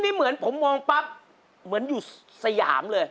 นี่เหมือนผมมองปั๊บเหมือนอยู่สยามเลย